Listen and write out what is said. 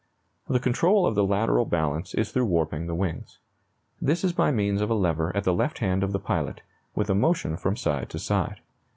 The control of the lateral balance is through warping the wings. This is by means of a lever at the left hand of the pilot, with a motion from side to side.